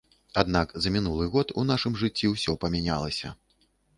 Аднак за мінулы год у нашым жыцці ўсё памянялася.